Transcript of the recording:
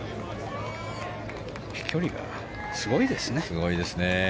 飛距離がすごいですね。